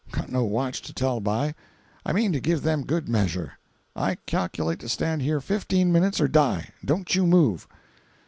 —got no watch to tell by. I mean to give them good measure. I calculate to stand here fifteen minutes or die. Don't you move."